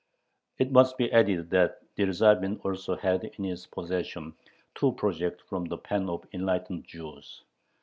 It must be added that Dyerzhavin also had in his possession two projects from the pen of "enlightened Jews."